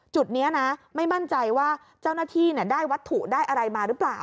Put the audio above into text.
จุดนี้นะไม่มั่นใจว่าเจ้าหน้าที่ได้วัตถุได้อะไรมาหรือเปล่า